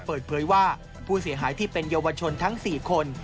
เปิดเผยว่าผู้เสียหายที่เป็นเยาวชนทั้ง๔คน